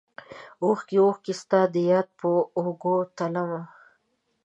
اوښکې ، اوښکې ستا دیاد په اوږو تلمه